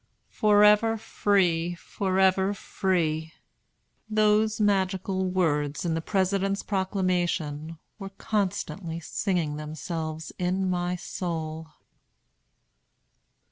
"Forever free! forever free!" those magical words in the President's Proclamation were constantly singing themselves in my soul.